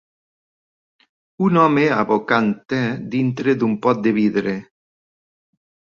un home abocant te dintre d'un pot de vidre.